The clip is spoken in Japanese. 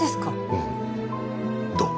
うんどう？